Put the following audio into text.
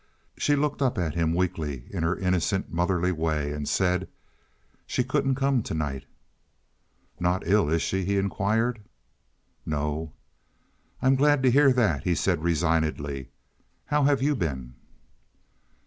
She looked up at him weakly in her innocent, motherly way, and said, "She couldn't come to night." "Not ill, is she?" he inquired. "No." "I'm glad to hear that," he said resignedly. "How have you been?"